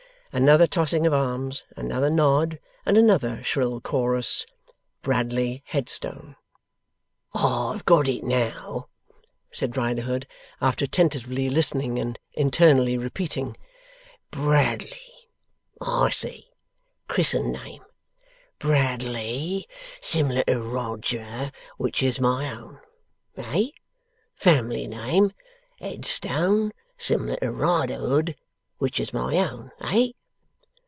Another tossing of arms, another nod, and another shrill chorus: 'Bradley Headstone!' 'I've got it now!' said Riderhood, after attentively listening, and internally repeating: 'Bradley. I see. Chris'en name, Bradley sim'lar to Roger which is my own. Eh? Fam'ly name, Headstone, sim'lar to Riderhood which is my own. Eh?